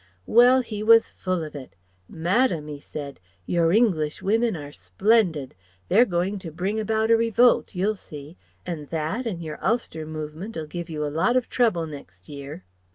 Well, he was full of it. 'Madam,' 'e said, 'your English women are splendid. They're going to bring about a revolt, you'll see, and that, an' your Ulster movement 'll give you a lot of trouble next year.'